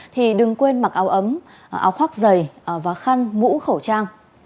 thì đừng quên mặc áo ấm áo khoác giày và khăn mũ khẩu trang